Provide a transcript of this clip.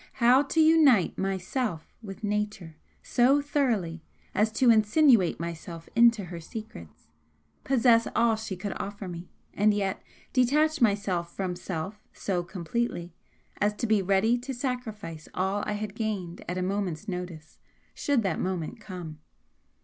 How to unite myself with Nature so thoroughly as to insinuate myself into her secrets, possess all she could offer me, and yet detach myself from Self so completely as to be ready to sacrifice all I had gained at a moment's notice should that moment come."